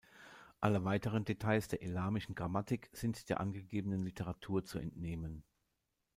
Alle weiteren Details der elamischen Grammatik sind der angegebenen Literatur zu entnehmen.